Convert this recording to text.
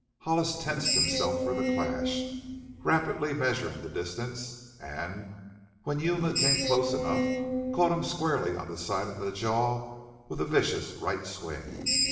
Hollis tensed himself for the clash, rapidly measuring the distance, and when Yuma came close enough caught him squarely on the side of the jaw with a vicious right swing.